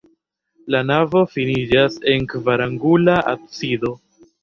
La navo finiĝas en kvarangula absido.